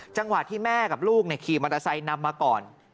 จังหวะที่แม่กับลูกขี่มอเตอร์ไซค์นำมาก่อน